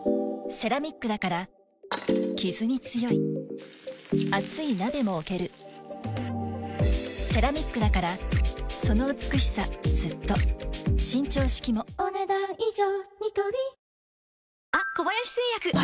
セラミックだからキズに強い熱い鍋も置けるセラミックだからその美しさずっと伸長式もお、ねだん以上。